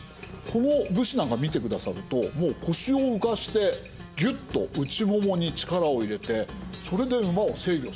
この武士なんか見てくださるともう腰を浮かしてぎゅっと内ももに力を入れてそれで馬を制御してるんですね。